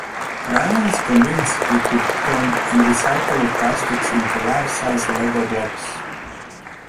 Rayan is convinced he could turn unrecyclable plastics into life-sized Lego blocks.